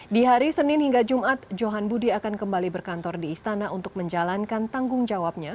di hari senin hingga jumat johan budi akan kembali berkantor di istana untuk menjalankan tanggung jawabnya